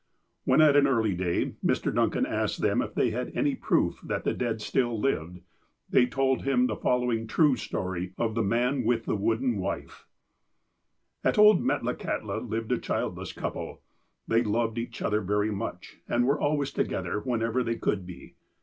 When, at an early day, Mr. Duncan asked them if they had any proof that the dead still lived, they told him the following "true" story of "The man with the wooden wife" : "At old Metlakahtla lived a childless couple. They loved each other very much, and were always together whenever they could be.